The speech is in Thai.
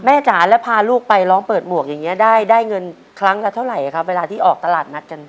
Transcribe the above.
จ๋าแล้วพาลูกไปร้องเปิดหมวกอย่างนี้ได้เงินครั้งละเท่าไหร่ครับเวลาที่ออกตลาดนัดกัน